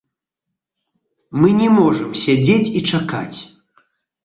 Мы не можам сядзець і чакаць.